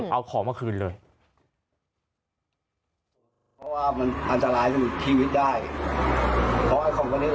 เอาของมาคืนเลย